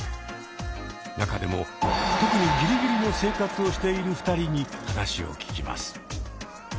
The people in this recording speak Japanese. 中でも特にギリギリの生活をしている２人に話を聞きます。